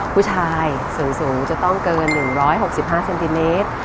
ผู้ชายสูงจะต้องเกิน๑๖๕เซนติเมตร